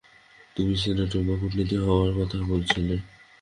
তুমি সিনেটর বা কূটনীতিক হওয়ার কথা বলেছিলে।